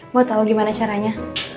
gue tau gimana caranya